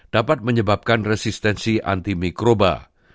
dapat menyebabkan resistensi antimikroba